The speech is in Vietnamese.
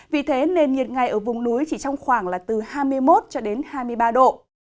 vì thế nền nhiệt ngày ở vùng núi chỉ trong khoảng là từ hai mươi một cho đến hai mươi ba độ